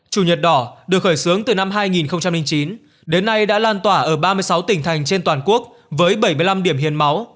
chủ nhật đỏ được khởi xướng từ năm hai nghìn chín đến nay đã lan tỏa ở ba mươi sáu tỉnh thành trên toàn quốc với bảy mươi năm điểm hiến máu